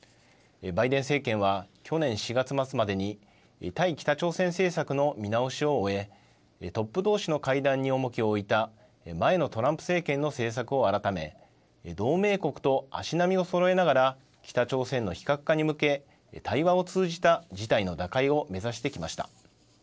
バイデン政権は去年４月末までに対北朝鮮政策の見直しを終えトップどうしの会談に重きを置いた前のトランプ政権の政策を改め同盟国と足並みをそろえながら北朝鮮の非核化に向け対話を通じた事態の打開を目指してきました。